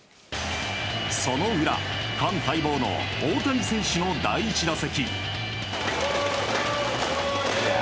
その裏、ファン待望の大谷選手の第１打席。